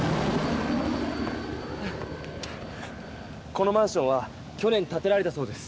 このマンションは去年たてられたそうです。